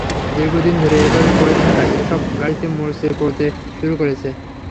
দীর্ঘদিন ধরে এভাবে পড়ে থাকায় এসব গাড়িতে মরচে পড়তে শুরু করেছে।